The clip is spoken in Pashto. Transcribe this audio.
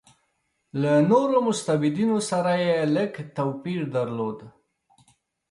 له نورو مستبدینو سره یې لږ توپیر درلود.